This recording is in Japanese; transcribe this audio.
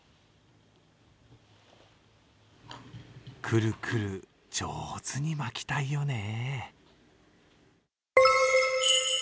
くるくる上手に巻きたいよね。